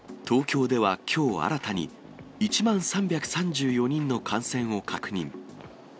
東京ではきょう新たに、１万３３４人の感染を確認。